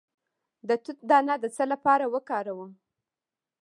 د توت دانه د څه لپاره وکاروم؟